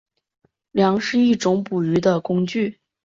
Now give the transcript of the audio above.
梁是一种捕鱼的工具。